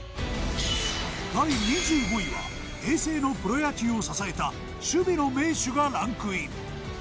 第２５位は平成のプロ野球を支えた守備の名手がランクイン。